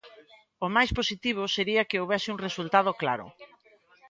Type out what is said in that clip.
O máis positivo sería que houbese un resultado claro.